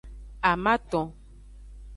Amaton.